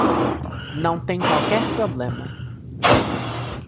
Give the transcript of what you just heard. Não tem qualquer problema.